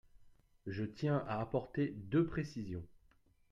Je tiens à apporter deux précisions.